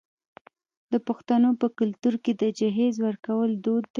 د پښتنو په کلتور کې د جهیز ورکول دود دی.